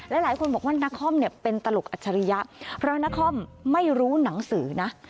หลายคนบอกว่านักคอมเนี่ยเป็นตลกอัจฉริยะเพราะนครไม่รู้หนังสือนะ